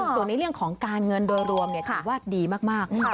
ส่วนในเรื่องของการเงินโดยรวมถือว่าดีมาก